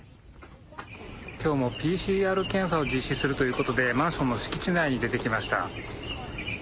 きょうもＰＣＲ検査を実施するということで、マンションの敷地内に出てきました。